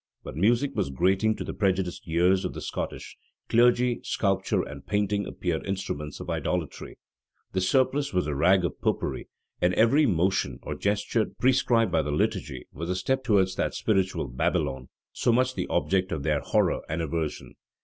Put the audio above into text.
But music was grating to the prejudiced ears of the Scottish; clergy; sculpture and painting appeared instruments of idolatry the surplice was a rag of Popery; and every motion or gesture prescribed by the liturgy, was a step towards that spiritual Babylon, so much the object of their horror and aversion.